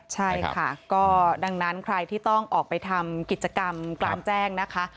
ใช่ค่ะก็ดังนั้นใครที่ต้องออกไปทำกิจกรรมกลางแจ้งนะคะ